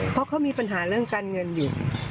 เพราะเขามีปัญหาเรื่องการเงินอยู่